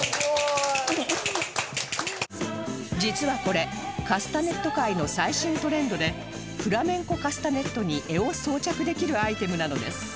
実はこれカスタネット界の最新トレンドでフラメンコカスタネットに柄を装着できるアイテムなのです